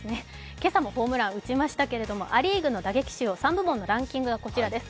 今朝もホームランを打ちましたけど、ア・リーグの打撃手の３部門のランキングがこちらです。